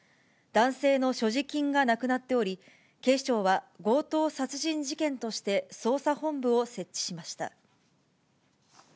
男性の所持金がなくなっており、警視庁は強盗殺人事件として捜査本部を設置しました。